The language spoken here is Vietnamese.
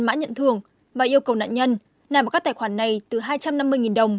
mã nhận thường và yêu cầu nạn nhân nạp vào các tài khoản này từ hai trăm năm mươi đồng